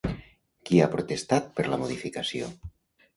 Qui ha protestat per la modificació?